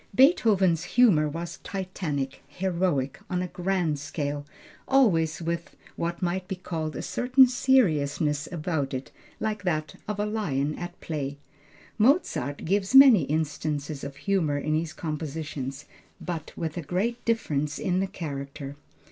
Beethoven's humor was titanic, heroic, on a grand scale, always with what might be called a certain seriousness about it like that of a lion at play. Mozart gives many instances of humor in his compositions, but with a great difference in the character.